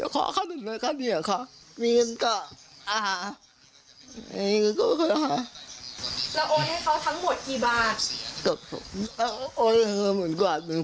เขาบอกว่าเขาอยากขอเงิน